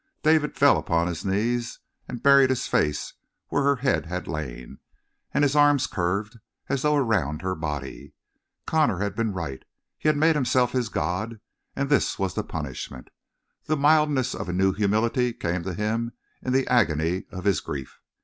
David fell upon his knees and buried his face where her head had lain, and his arms curved as though around her body. Connor had been right. He had made himself his god, and this was the punishment. The mildness of a new humility came to him in the agony of his grief.